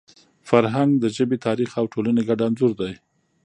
فرهنګ د ژبي، تاریخ او ټولني ګډ انځور دی.